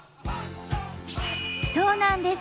そうなんです！